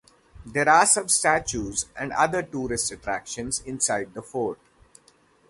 There are some statues and other tourist attractions inside the fort.